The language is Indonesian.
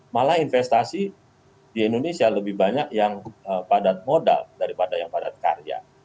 malah investasi di indonesia lebih banyak yang padat modal daripada yang padat karya